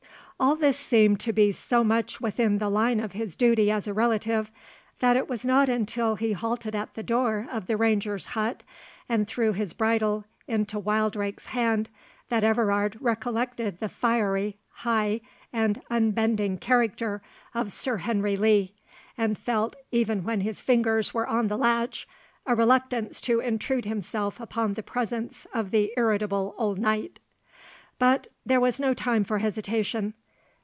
All this seemed to be so much within the line of his duty as a relative, that it was not until he halted at the door of the ranger's hut, and threw his bridle into Wildrake's hand, that Everard recollected the fiery, high, and unbending character of Sir Henry Lee, and felt, even when his fingers were on the latch, a reluctance to intrude himself upon the presence of the irritable old knight. But there was no time for hesitation.